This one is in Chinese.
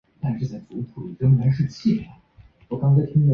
西汉帝王郊祀之礼沿袭秦代。